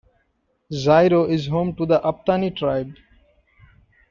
Ziro is home to the Apatani tribe.